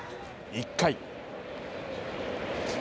１回。